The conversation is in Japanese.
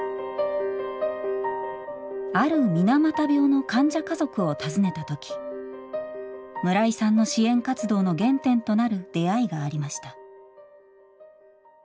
ある水俣病の患者家族を訪ねた時村井さんの支援活動の原点となる出会いがありました。